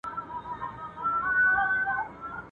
o لکه ړنده سپۍ، پر خپلو کوتريانو غول کوي.